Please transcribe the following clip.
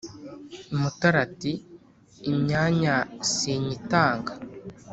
Mutara ati: “Imyanya sinyitanga